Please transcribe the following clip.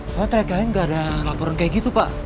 soalnya terakhir kali gak ada laporan kayak gitu pak